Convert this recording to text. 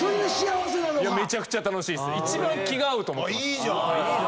いいじゃん！